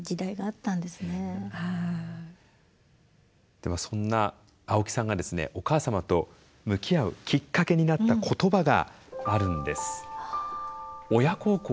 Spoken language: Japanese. ではそんな青木さんがですねお母様と向き合うきっかけになった言葉があるんです。